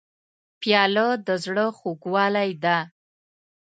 پیاله د زړه خوږلۍ ده.